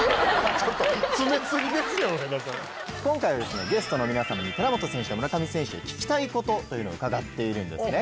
今回はゲストの皆様に寺本選手や村上選手に聞きたいことというのを伺っているんですね。